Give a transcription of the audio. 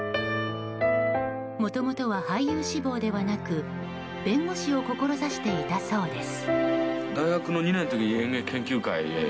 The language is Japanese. もともとは俳優志望ではなく弁護士を志していたそうです。